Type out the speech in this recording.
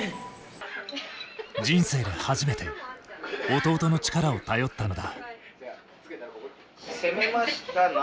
人生で初めて弟の力を頼ったのだ。